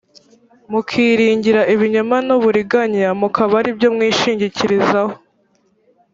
mukiringira ibinyoma n uburiganya mukaba ari byo mwishingikirizaho